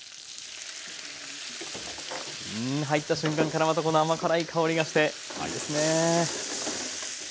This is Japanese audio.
うん入った瞬間からまたこの甘辛い香りがしていいですね。